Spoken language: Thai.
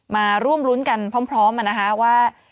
มาร่วมรุ้นกันพร้อมนะคะว่า